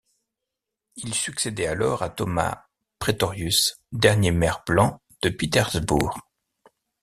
Il succédait alors à Thomas Pretorius, dernier maire blanc de Pietersburg.